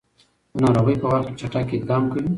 د ناروغۍ په وخت کې چټک اقدام کوي.